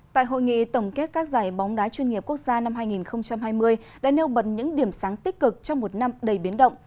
tại hội nghị tổng kết các giải bóng đá chuyên nghiệp quốc gia năm hai nghìn hai mươi đã nêu bật những điểm sáng tích cực trong một năm đầy biến động